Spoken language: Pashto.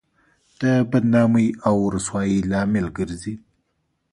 د بدنامۍ او رسوایۍ لامل ګرځي.